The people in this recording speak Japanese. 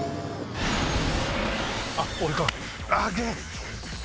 あっ俺か。